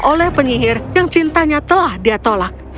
oleh penyihir yang cintanya telah dia tolak